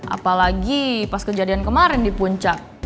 apalagi pas kejadian kemarin di puncak